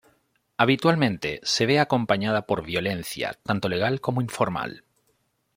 Habitualmente se ve acompañada por violencia, tanto legal como informal.